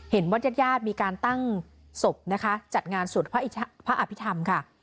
วัดยาดมีการตั้งศพนะคะจัดงานสวดพระอภิษฐรรมค่ะ